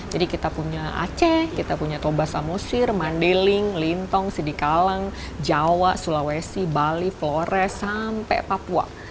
jadi kita punya aceh kita punya toba samosir mandeling lintong sidikalang jawa sulawesi bali flores sampai papua